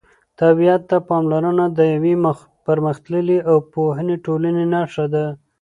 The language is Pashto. طبیعت ته پاملرنه د یوې پرمختللې او پوهې ټولنې نښه ده.